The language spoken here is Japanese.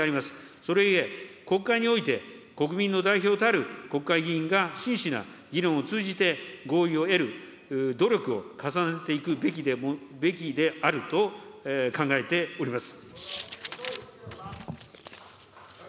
それゆえ、国会において国民の代表たる、国会議員が真摯な議論を通じて合意を得る努力を重ねていくべきであると考えております。